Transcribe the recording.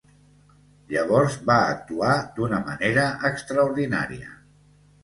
Llavors va actuar d'una manera extraordinària.